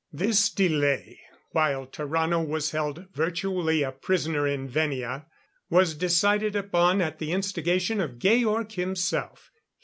This delay while Tarrano was held virtually a prisoner in Venia was decided upon at the instigation of Georg himself.